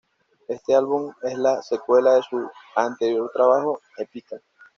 Este álbum es la secuela de su anterior trabajo, "Epica".